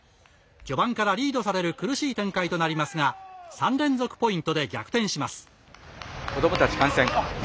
序盤からリードされる苦しい展開となりますが３連続ポイントで逆転します。